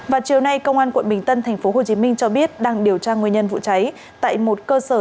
vào chiều nay công an quận bình tân tp hcm cho biết đang điều tra nguyên nhân vụ cháy tại một cơ sở